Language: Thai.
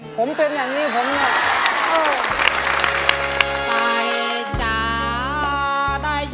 ผมเป็นอย่างนี้ผมเนี่ย